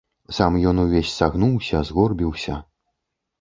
Сам ён увесь сагнуўся, згорбіўся.